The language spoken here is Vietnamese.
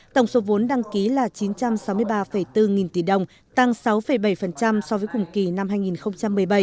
tổng số vốn đăng ký là chín trăm sáu mươi ba bốn nghìn tỷ đồng tăng sáu bảy so với cùng kỳ năm hai nghìn một mươi bảy